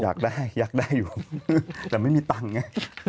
อยากได้อยากได้อยู่แต่ไม่มีตังค์ไง